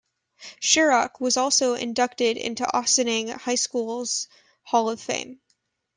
Sharrock was also inducted into Ossining High School's Hall of Fame.